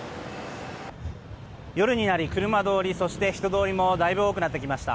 夜になり、車通りそして人通りもだいぶ多くなってきました。